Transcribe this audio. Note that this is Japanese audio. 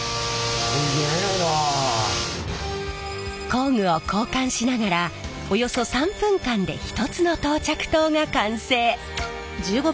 工具を交換しながらおよそ３分間で１つの到着灯が完成。